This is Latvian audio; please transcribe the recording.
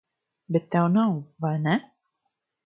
Bet tev nav, vai ne?